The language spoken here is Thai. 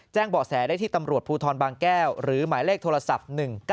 เบาะแสได้ที่ตำรวจภูทรบางแก้วหรือหมายเลขโทรศัพท์๑๙